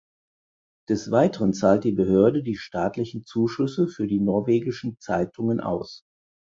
Des Weiteren zahlt die Behörde die staatlichen Zuschüsse für die norwegischen Zeitungen aus.